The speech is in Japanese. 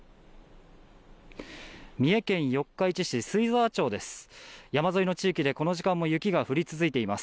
三重県四日市市水沢町です。